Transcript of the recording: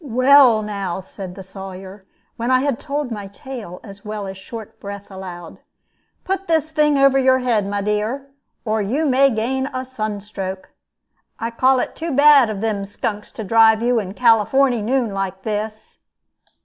"Well, now," said the Sawyer, when I had told my tale as well as short breath allowed, "put this thing over your head, my dear, or you may gain a sun stroke. I call it too bad of them skunks to drive you in Californy noon, like this."